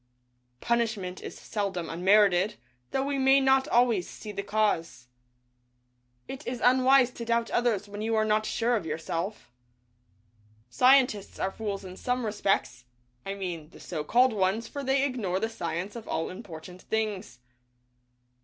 Punishment is seldom unmerited, though we may not always see the cause. It is unwise to doubt others when you are not sure of yourself. Scientists are fools in some respects, I mean the so called ones, for they ignore the science of all important things.